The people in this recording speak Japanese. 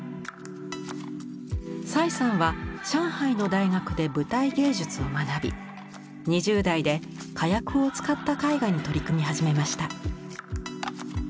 蔡さんは上海の大学で舞台芸術を学び２０代で火薬を使った絵画に取り組み始めました。